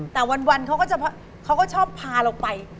แต่วันเขาก็ชอบพาไป